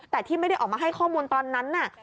แต่ที่ไม่ได้ออกมาให้ข้อมูลตอนนั้น